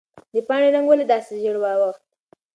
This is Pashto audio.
د پاڼې رنګ ولې داسې ژېړ واوښت؟